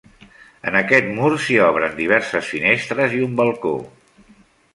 En aquest mur s'hi obren diverses finestres i un balcó.